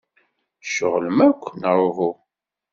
Tceɣlem akk, neɣ uhu?